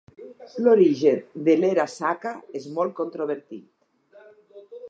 L'origen de l'era Shaka és molt controvertit.